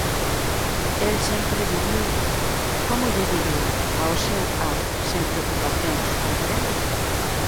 El sempre viviu, ¿como lle diría?, ao seu ar, sen preocupacións, ¿comprende?